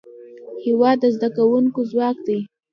هېواد د زدهکوونکو ځواک دی.